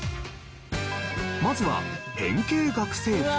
まずは変形学生服。